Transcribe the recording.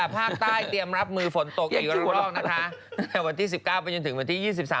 ประเทศไทยทำไมไม่นาวไปเหนือสิ